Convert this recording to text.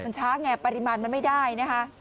มันช้าไงปริมาณมันไม่ได้นะคะ